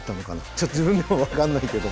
ちょっと自分でも分かんないけど。